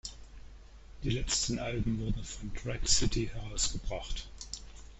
Die letzten Alben wurden von Drag City herausgebracht.